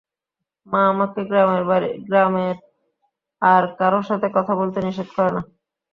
মা আমাকে গ্রামের আর কারো সাথে কথা বলতে নিষেধ করে না।